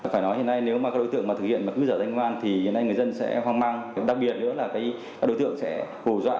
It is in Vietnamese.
phải nói hiện nay nếu mà các đối tượng mà thực hiện cứ giả danh cơ quan thì hiện nay người dân sẽ hoang mang đặc biệt nữa là các đối tượng sẽ hù dọa